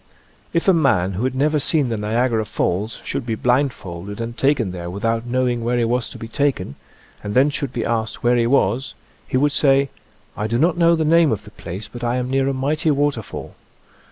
If a man who had never seen the Niagara Falls should be blindfolded and taken there without know ing where he was to be taken, and then should be asked where he was, he would say :" I do not know the name of the place, but I am near a mighty waterfall."